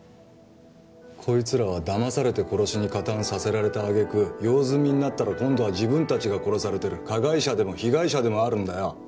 こいつらはだまされて殺しに加担させられたあげく用済みになったら今度は自分達が殺されてる加害者でも被害者でもあるんだよ